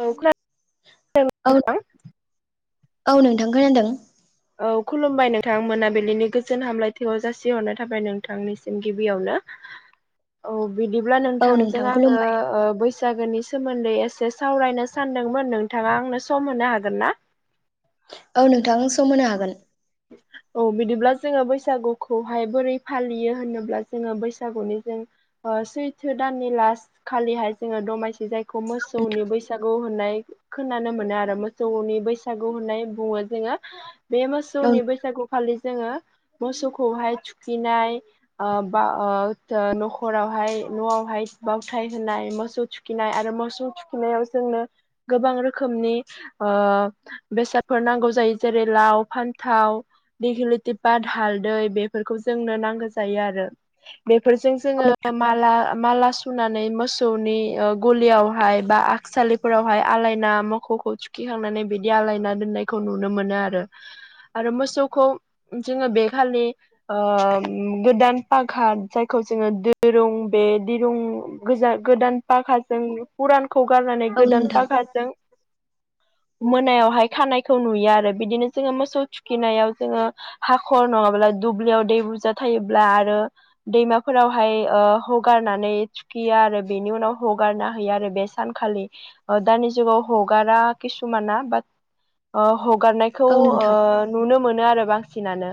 औ खोनादों औ नोंथां औ नोंथां खोनदों। औ खुलुमबाय नोंथां मोनाबिलिनि गोजोन हामलायथिखौ जासिहरनो थाखायाब नोंथांनिसिम गिबियावनो औ बिदिब्ला औ नोंथांजों नोंथां आङो खुलुमबाय बैस जागोननि सोमोन्दै एसे सावरायनो सानदोंमोन नोंथाङा आंनो सम होनो हागोन ना औ नोंथां सम होनो हागोन [unintelligible] औ बिदिब्ला जोङो बैसागुखौहाय बोरै फालियो होनोब्ला जोङो बैसागुनि जों सैथो दाननि लास खालिहाय जोङो दमासि जायखौ मोसौनि बैसागु होननाय खोनानो मोनो आरो मोसौनि बैसागु होननाय बुङो जोङो बे औ मोसौनि बैसागुखालि जोङो मोसौखौहाय थुखैनाय ओक्षन'खरावहाय [unintelligible] बावथाय होनाय मोसौ थुखिनाय आरो मोसौ थुखिनायाव जोंनो गोबां रोखोमनि ओ बेसादफोर नांगौ जायो जेरै लाव फान्थाव दिगिलिटिपात हालदै बेफोरखौ जोंनो नांगौ जायो आरो बेफोरजों जोङो माला माला सुनानै मोसौनि गलियावहाय बा थसालिफोरावहाय आलायना मोसौखौ थुखिखांनानै बिदि आलायना दोननायखौ नुनो मोनो आरो आरो मोसौखौ जोङो बे खालि ओ गोदान पाघार जायखौ जोङो दिरुं बे दिरुं गोजान गोदान पाखाजों फुरानखौ गारनानै औ गोदान नोंथां पाखाजों मोनायावहाय खानायखौ नुयो आरो बिदिनो जोङो मोसौ थुखिनायाव जोङो ओ हाखर नङाब्ला दुब्लियाव दै बुरजा थायोब्ला आरो दैमाफोरावहाय हगारनानै गिया आरो बेनि उनाव हगारना हैयो आरो बे सानखालि दानि जुगाव हगारा किसुमाना बाट ओ हगारनायखौ औ ओ नोंथां नुनो मोनो आरो बांसिनानो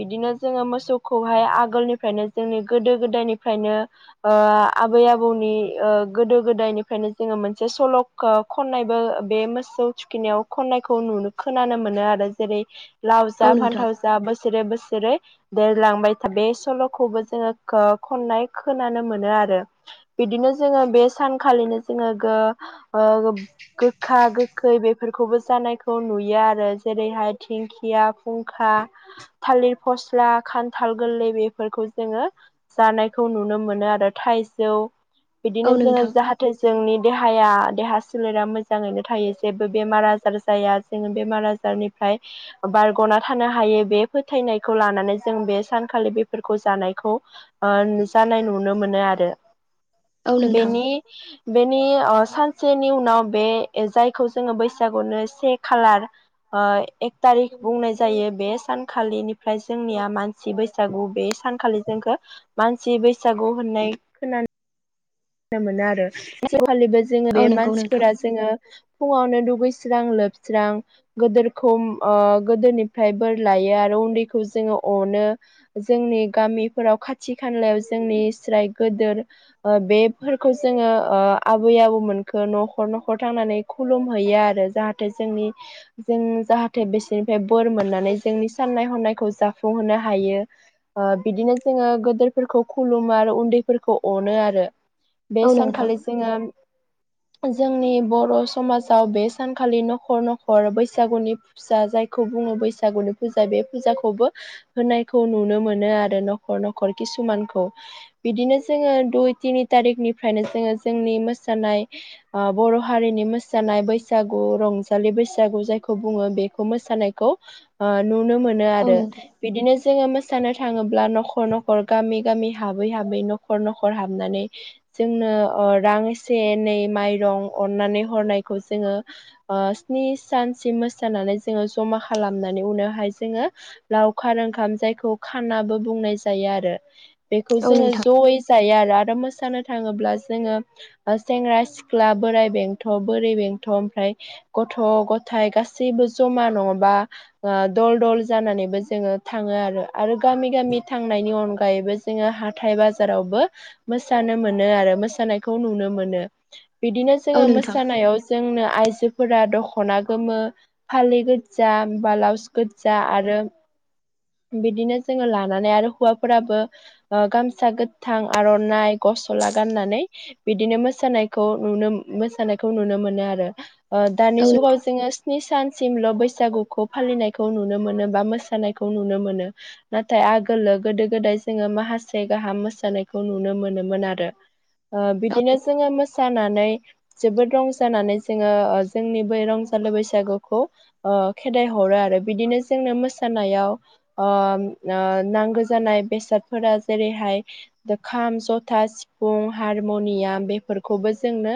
बिदिनो जोङो मोसौखौहाय आगोलनिफ्रायनो जोंनि गोदो गोदायनिफ्रायनो ओ आबै आबौनि गोदो गोदायनिफ्रायनो जोङो मोनसे सल' ओ खननायबो बे मोसौ थुखिनायाव खननायखौ नुनो खोनानो मोनो आरो जेरै लाव औ जा नोंथां फान्थाव जा बोसोरै बोसोरै देरलांबाय था बे सल'खौबो जोङो खननाय खोनानो मोनो आरो बिदिनो जोङो बे सानखालिनो जोङो ओ ओ गोखा गोखै बेफोरखौबो जानायखौ नुयो आरो जेरैहाय दिंखिया फुंखा थालिर फस्ला खान्थाल गोरलै बेफोरखौ जोङो जानायखौ नुनो मोनो आरो थाइजौ बिदिनो औ जोङो नोंथां जाहा थे जोंनि देहाया देहा सोलेरा मोजाङैनो थायो जेबो बेमार आजार जाया जोङो बेमार आ जारनिफ्राय निफ्राय बारग'ना थानो हायो बे फोथायनायखौ लानानै जों बे सानखालि बेफोरखौ जानायखौ ओ नु जानाय नुनो मोनो आरो। औ नोंथां बेनि बेनि ओ सानसेनि उनाव बे जायखौ जोङो बैसागुनो से खालार ऐ एक थारिख बुंनाय जायो बे सानखालिनिफ्राय जोंनिया मानसि बै सागु बे सानखालि जोंखो मानसि बैसागु होननाय खोना नो मोनो आरो [inaudible] खालिबो जोङो बे औ नंगौ नोंथां मानसिफोरा जोङो फुङावनो दुगैस्रां लोबस्रां गोदोरखौ ओ गोदोनिफ्राय बोर लायो आरो उन्दैखौ जोङो अनो जोंनि गामिफोराव खाथि खालायाव जोंनि स्राय गोदोर ओ बे फोरखौ जोङो आबै आबौ मोनखो न'खर न'खर थांनानै खुलुम हैैयो आरो जाहा जोंनि जों जाहाथे बिसोरनिफ्राय बोर मोननानै जोंनि साननाय हनायखौ जा जाफुंहोनो हायो। ओ बिदिनो जोङो गोदोरफोरखौ खुलुमो आरो उन्दैफोरखौ अनो आरो। बे औ नोंथां सानखालि जोङो जोंनि बर' समाजाव बे सानखालि न'खर न'खर बैसागुनि फिसा जायखौ बुङो बैसागुनि फुजा बे फुजाखौबो होनायखौ नुनो मोनो आरो न'खर न'खर किसुमानखौ। बिदिनो जोङो दुइ तिनि था तारिकनिफ्रायनो जोङो जोंनि मोसानाय ओ बर' हारिनि मोसानाय बैसागु रंजालि बैसागु जायखौ बुङो बेखौ मोसानायखौ ओ नुनो मोनो औ आरो। नोंथां बिदिनो जोङो मोसानो थाङोब्ला न'खर न'खर गामि गामि हाबै हाबै न'खर न'खर हाबनानै जोंनो ओ रां एसे एनै माइरं अननानै हरनायखौ जोङो ओ स्नि सानसिम मोसानानै जोङो जमा खालामनानै उनावहाय जोङो लावखार ओंखाम जायखौ खानाबो बुंनाय जायो आरो। बेखौ औ जोङो नोंथां जयै जायो आरो आरो मोसानो थाङोब्ला जोङो सेंग्रा सिख्ला बोराइ बेंथ' बोरै बेंथ' ओमफ्राय गथ' गथाइ गासैबो जमा नङाबा ओ दल दल जानानैबो जोङो थाङो आरो आरो गामि गामि थांनायनि अनगायैबो जोङो हाथाय बाजारावबो मोस सानो मोनो आरो मोसानायखौ नुनो मोनो बिदिनो औ जोङो नोंथां मोसानायाव जोंनो आइजोफोरा दख'ना गोमो फालि गोदजा बालाउस गोदजा आरो बिदिनो जोङो लानानै आरो हुवाफोराबो ओ गामसा गोथां आर'नाइ गसला गाननानै बिदिनो मोसानायखौ नुनो मोसानायखौ नुनो मोनो आरो। ओ दानि औ नोंथां औ जुगाव जोङो स्नि सानसिमल' बैसागुखौ फालिनायखौ नुनो मोनो बा मोसानायखौ नुनो मोनो। नाथाय आगोलो गोदो गोदाय जोङो माहासे गाहाम मोसानायखौ नुनो मोनोमोन। मोन आरो ओ नोंथां बिदिनो जोङो मोसानानै जोबोद रंजानानै जोङो ओ जोंनि बै रंजालु बैसागुखौ ओ खेदाइ हरो आरो बिदिनो जोंनो मोसानायाव ओम ओ नांगौ जानाय बेसादफोरा जेरैहाय खाम ज था सिफुं, हारम'नियाम बेफोरखौबो जोंनो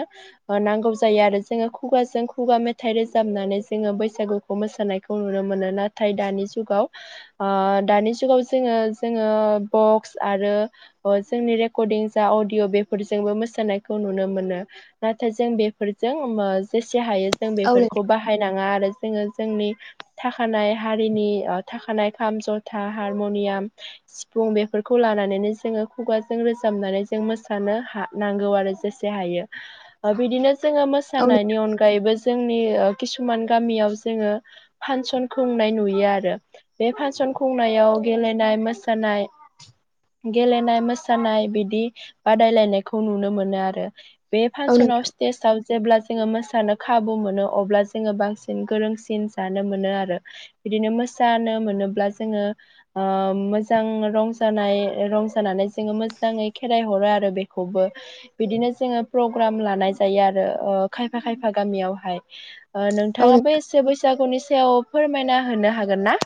ओ नांगौ जायो आरो जोङो खुगाजों खुगा मेथाइ रोजाबनानै जोङो बैसागु खौ मोसानायखौ नुनो मोनो नाथाय दानि जुगाव ओ दानि जुगाव जोङो जोङो बक्स आरो जोंनि रेफ क'दिं जा अडिअ' बेफोरजोंबो मोसानायखौ नुनो मोनो। नाथाय जों बेफोरजों मो जेसे हायो जों औ नोंथां बेफोरखौ बाहाय फानाङा आरो जोङो जोंनि थाखानाय हारिनि ओ थाखानाय खाम, जथा, हारमनियाम सिफुं बेफोरखौ लानानैनो जोङो खुगा जों रोजाबनानै जों मोसानो हा नांगौ आरो जेसे हायो। बिदिनो जोङो औ नोंथां मोसानायनि अनगायैबो जोंनि ओ किसुमान गामियाव जोङो फानसन खुंनाय नुयो आरो बे फासन खुंनायाव गेलेनाय मोसानाय गेलेनाय मोस सानाय बिदि बादायलायनायखौ नुनो मोनो आरो बे औ फानसनाव सि सिटेस्टआव जेब्ला जोङो मोसानो खाबु मोनो अब्ला जोङो बांसिन गोरोंसिन जानो मोनो आरो। बिदिनो मोसानो मोनोब्ला जोङो ओ मोजां रंजानाय रंजानानै जो जोङो मोजाङै खेराइ हरो आरो बेखौबो। बिदिनो जोङो प्रग्राम लानाय जायो आरो ओ खायफा खायफा गामियावहाय ओ नोंथां नोंथाङा बे एसे बैसागुनि सायाव फोरमायना होनो हागोन ना?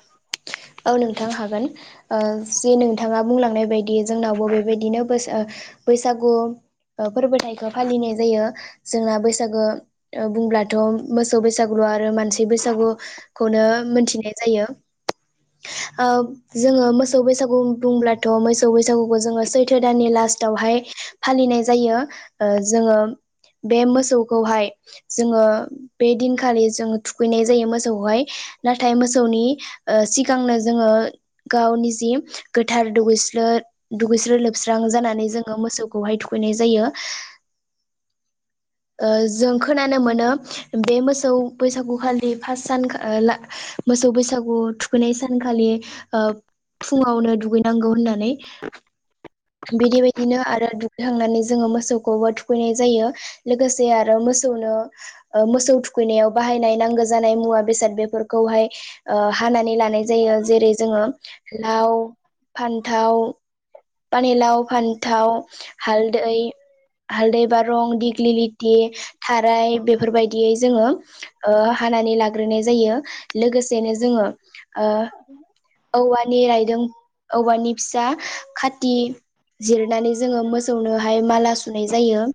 औ नोंथां हागोन जे नोंथाङा बुंलांनाय बायदि दि जोंनावबो बेबायदिनो बैसा बैसागु फोरबोथाइखौ फालिनाय जायो जोंना बैसागो बुंब्लाथ' मोसौ बैसागु आरो मानसि बैसागुखौनो मोनथिनाय जायो। ओ जोङो मोसौ बैसागु बुंब्लाथ' मोसौ बैसागुखौ जोङो सैथो दाननि लास्टावहाय फालिनाय जायो जोंङो बे मोसौखौहाय जोंङो बे दिनखालि जोंङो थुखैनाय जायो मोसौखौहाय नाथाय मोसौनि ओ सि गांनो जोङो गावनि जि गोथार दुगैस्रो दुगैस्लो लोबस्रां जानानै जोंङो मोसौखौहाय थुखैनाय जायो। [inaudible] जों खोनानो मोनो बे मोसौ बैसागु खालि फार्स्ट सानखालि मोसौ बैसागु थुखैनाय सानखालि फुङावनो दुगैनांगौ होननानै बिदि बायदिनो आरो दुगैखांनानै जोंङो मोसौखौबो थुखैनाय जायो। लोगोसे आरो मोसौनो मोसौ थुखैनायाव बाहायनाय नांगौ जानाय मुवा बेसाद बेफोरखौहाय हानानै लानाय जायो जेरै जोङो लाव फान्थाव पानिलाव, फान्थाव, हालदै हालदै बारं दिग्लि लिथि थाराय बेफोरबायदियै जोङो हानानै लाग्रोनाय जायो लोगोसेनो जोंङो औवानि रायदों औवानि फिसा खाथि जिरनानै जोंङो मोसौनोहाय माला सुनाय जायो।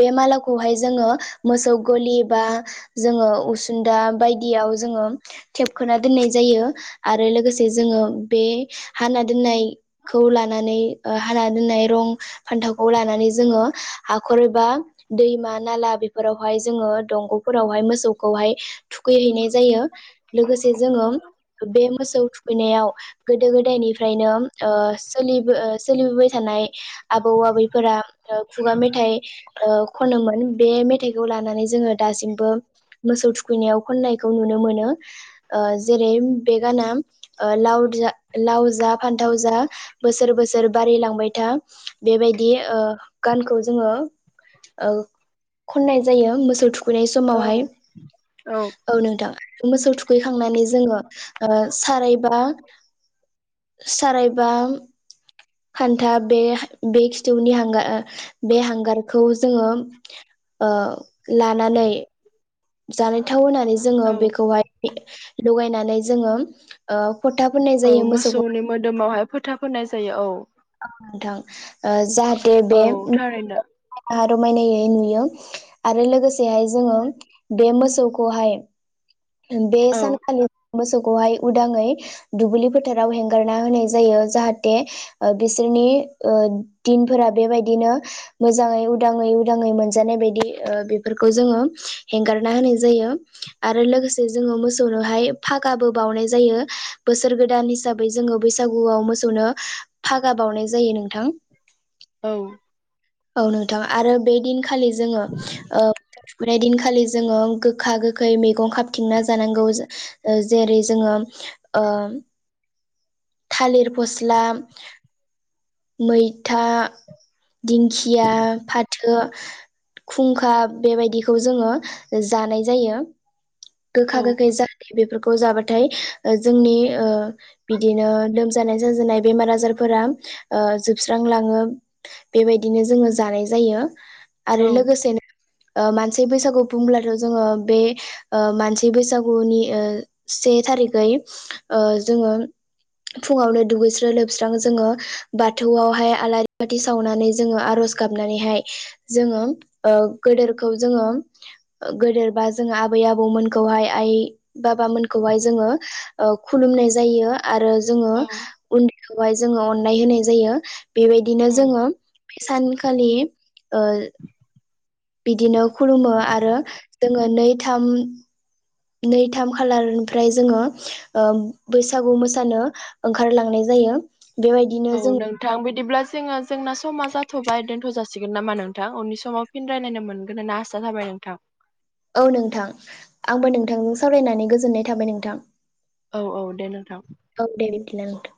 बे मालाखौहाय जोंङो मोसौ गलि बा जोंङो उसुनदा बायदियाव जोंङो थेबखोना दोननाय जायो। आरो लोगोसे जोंङो बे हाना दोननाय खौ लानानै हाना दोननाय रं फान्थावखौ लानानै जोंङो हाखर एबा दैमा नाला बेफोरावहाय जोंङो दंग'फोरावहाय मोसौखौहाय थुखैहैनाय जायो। लोगोसे जोङो बे मोसौ थुखैनायाव गोदो गोदायनिफ्रायनो सोलिबो सोलिबोबाय थानाय आबौ आबैफोरा खुगा मेथाइ ओ खनोमोन बे मेथाइखौ लानानै जोंङो दासिमबो मोसौ थुखैनायाव खननायखौ नुनो मोनो ओ जेरै बे गाना ओ लाउ लाउ जा फान थाव जा बोसोर बोसोर बारायलांबाय था बेबायदि ओ गानखौ जोंङो ओ खननाय जायो मोसौ थुखैनाय औ समावहाय औ नोंथां मोसौ थुखैखांनानै जोंङो ओ सारायबा सारायबा खान्था बे बे खिथौनि हांगार बे हांगारखौ जोंङो ओ लानानै जानाय थाव होनानै जोंङो औ बेखौहाय लगायनानै जोंङो ओ फथा फोननाय औ जायो मोसौखौ मोसौनि मोदोमावहाय फोथा होननाय जायो औ औ नोंथां जाहाथे औ बे थारैनो रमायनायै नुयो आरो लोगोसेहाय जोंङो बे मोसौखौहाय बे औ सानखालि मोसौखौहाय उदाङै दुब्लि फोथाराव हेंगारना होनाय जायो जाहाथे ओ बिसोरनि ओ दिनफोरा बेबायदिनो मोजाङै उदाङै उदाङै मोनजानाय बायदि ओ बेफोरखौ जोङो हेंगारना होनाय जायो। आरो लोगोसे जोङो मोसौनोहाय फागाबो बावनाय जायो बोसोर गोदान हिसा- बै जोङो बैसागुआव मोसौनो फागा बावनाय जायो नोंथां। औ औ नोंथां आरो बे दिनखालि जोङो ओ बै दिनखालि जोङो गोखा-गोखै मैगं खाबथिंना जानांगौ। ओ जेरै जोङो ओ थालिर फस्ला मैथा, दिंखिया, फाथो खुंखा बेबायदिखौ जोङो जानाय जायो। औ गोखा-गोखै जायो बेफोरखौ जाबाथाय जोंनि ओ बिदिनो लोमजानाय साजानाय बेमार आजारफोरा ओ जोबस्रांलाङो। बेबायदिनो जोङो जानाय जायो। आरो औ लोगोसेनो ओ मानसि बैसागु बुंब्लाथ' जोङो बे ओ मानसि बैसागुनि ओ से थारिखै ओ जोङो फुङावनो दुगैस्रो लोबस्रां जोङो बाथौआवहाय आलारि बाथि सावनानै जोङो आर'ज गाबनानैहाय जोङो ओ गोदोरखौ जोङो गोदोरबा जोङो आबै-आबौ मोनखौहाय आइ-बाबा मोनखौहाय जोङो ओ खुलुमनाय जायो। आरो जोङो औ उन्दैखौहाय जोङो अननाय होनाय जायो। बेबायदिनो औ जोङो बै सानखालि ओ बिदिनो खुलुमो आरो जोङो नै थाम नै थाम खालारनिफ्राय जोङो ओ बैसागु मोसानो ओंखारलांनाय जायो बेबायदि औ नोंथां बिदिब्ला जोङो जोंना समा जाथ'बाय दोनथ' जासिगोन नामा नोंथां? उननि समाव फिन रायलायनो मोनगोन होनना आसा थाबाय नोंथां। औ नोंथां आंबो नोंथांजों सावरायनानै गोजोननाय थाबाय नोंथां। औ औ दे नोंथां। औ दे बिदिब्ला नोंथां।